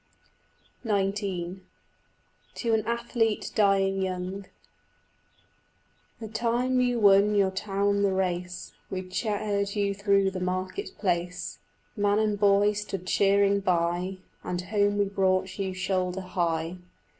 XIX TO AN ATHLETE DYING YOUNG The time you won your town the race We chaired you through the market place; Man and boy stood cheering by, And home we brought you shoulder high.